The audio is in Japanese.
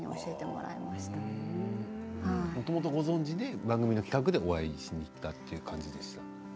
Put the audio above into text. もともとご存じで番組の企画でお会いしたという感じですか。